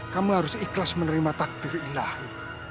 kamu harus ikhlas menerima takbir ilahi